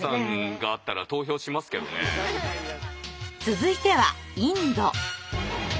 続いてはインド。